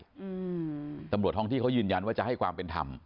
อืมตำรวจท้องที่เขายืนยันว่าจะให้ความเป็นธรรม